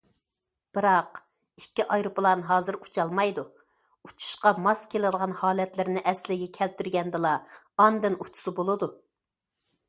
بىراق ئىككى ئايروپىلان ھازىر ئۇچالمايدۇ، ئۇچۇشقا ماس كېلىدىغان ھالەتلىرىنى ئەسلىگە كەلتۈرگەندىلا ئاندىن ئۇچسا بولىدۇ.